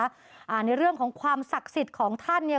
นั่นเองนะคะอ่าในเรื่องของความศักดิ์สิทธิ์ของท่านเนี่ย